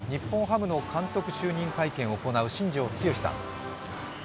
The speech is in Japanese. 今日、日本ハムの監督就任会見を行う新庄剛志さん。